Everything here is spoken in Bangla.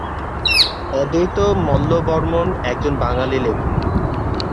অদ্বৈত মল্লবর্মণ একজন বাঙালি লেখক।